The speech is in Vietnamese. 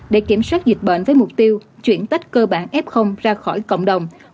để kiểm soát dịch bệnh với mục tiêu chuyển tách cơ bản f ra khỏi cộng đồng